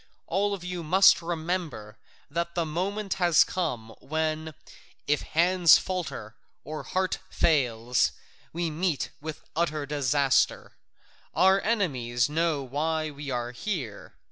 All of you must remember that the moment has come when, if hand falters or heart fails, we meet with utter disaster: our enemies know why we are here.